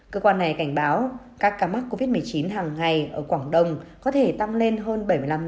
cơ quan này cảnh báo các ca mắc covid một mươi chín hàng ngày ở quảng đông có thể tăng lên hơn bảy mươi năm